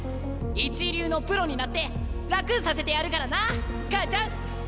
一流のプロになって楽させてやるからな母ちゃん！